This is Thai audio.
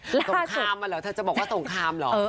สงครามอ่ะเหรอเธอจะบอกว่าสงครามเหรอ